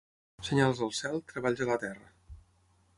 Senyals al cel, treballs a la terra.